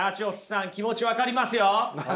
さん気持ち分かりますよ。